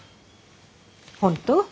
本当？